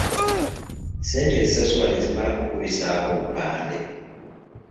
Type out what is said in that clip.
Ssente ezisasulwa tezimala ku kubisaako bupande .